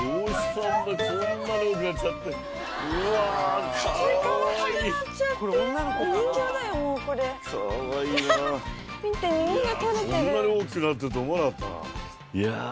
いや。